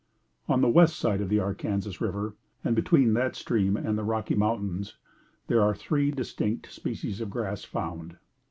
On the west side of the Arkansas River, and between that stream and the Rocky Mountains, there are three distinct species of grass found.